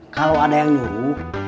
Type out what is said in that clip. kalau ada yang nyuruh